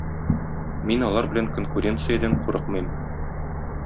Мин алар белән конкуренциядән курыкмыйм.